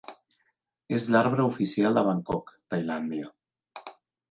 És l'arbre oficial de Bangkok, Tailàndia.